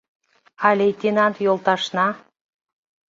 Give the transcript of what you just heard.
А лейтенант йолташна...